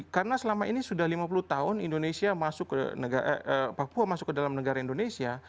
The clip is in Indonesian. karena selama ini sudah lima puluh tahun indonesia masuk ke negara papua masuk ke dalam negara indonesia